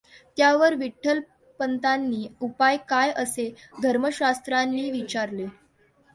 त्यावर विठ्ठलपंतांनी उपाय काय असे धर्मशास्त्रींना विचारले.